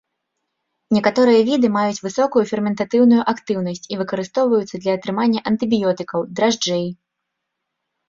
Некаторыя віды маюць высокую ферментатыўную актыўнасць і выкарыстоўваюцца для атрымання антыбіётыкаў, дражджэй.